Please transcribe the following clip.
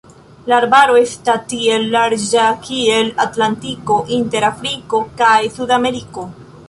La arbaro esta tiel larĝa kiel Atlantiko inter Afriko kaj Sudameriko.